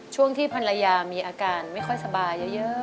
ช่วงที่ภรรยามีอาการไม่ค่อยสบายเยอะ